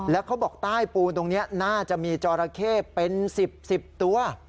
แล้วเขาบอกใต้ปูนตรงนี้น่าจะมีจอราเข้เป็น๑๐๑๐ตัว